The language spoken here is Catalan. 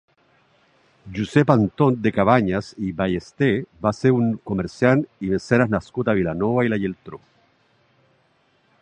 Josep Anton de Cabanyes i Ballester va ser un comerciant i mecenes nascut a Vilanova i la Geltrú.